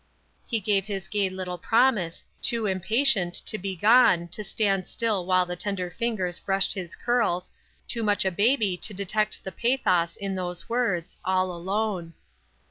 He gave his gay little promise, too impatient to be gone to stand still while the tender fingers brushed his curls, too much a baby to detect the pathos in those words, "All alone."